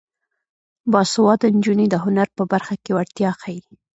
باسواده نجونې د هنر په برخه کې وړتیا ښيي.